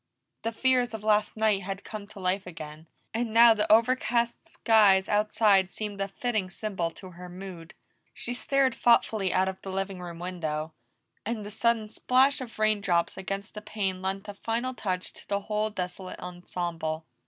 The fears of last night had come to life again, and now the over cast skies outside seemed a fitting symbol to her mood. She stared thoughtfully out of the living room windows, and the sudden splash of raindrops against the pane lent a final touch to the whole desolate ensemble.